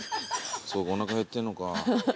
そうかおなか減ってんのか。